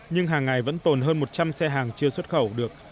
nhưng hàng ngày vẫn tồn hơn một trăm linh xe hàng chưa xuất khẩu được